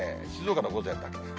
静岡の午前だけ。